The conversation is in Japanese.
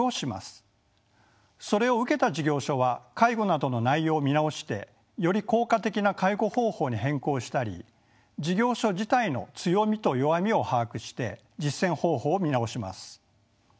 それを受けた事業所は介護などの内容を見直してより効果的な介護方法に変更したり事業所自体の強みと弱みを把握して実践方法を見直します。